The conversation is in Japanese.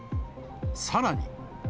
さらに。